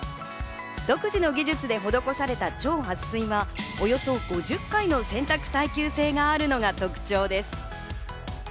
独自の技術で施された超撥水はおよそ５０回の洗濯耐久性があるのが特徴です。